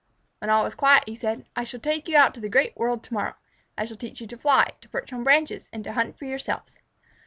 When all was quiet, he said: "I shall take you out into the great world to morrow. I shall teach you to fly, to perch on branches, and to hunt for yourselves."